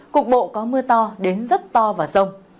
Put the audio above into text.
cục bộ có mưa to đến rất to và rông